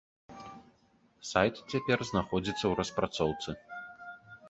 Сайт цяпер знаходзіцца ў распрацоўцы.